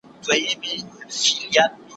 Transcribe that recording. دا مکتب له هغه ښه دی.